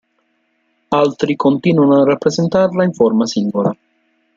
Altri continuano a rappresentarla in forma singola.